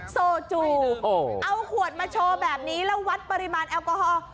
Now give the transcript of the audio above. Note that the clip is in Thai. โซจูเอาขวดมาโชว์แบบนี้แล้ววัดปริมาณแอลกอฮอล์